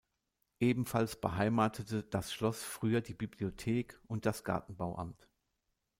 Ebenfalls beheimatete das Schloss früher die Bibliothek und das Gartenbauamt.